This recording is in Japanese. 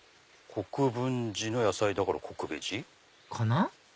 国分寺の野菜だからこくベジ？かな？